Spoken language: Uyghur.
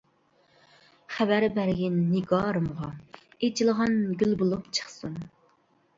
خەۋەر بەرگىن نىگارىمغا، ئېچىلغان گۈل بولۇپ چىقسۇن.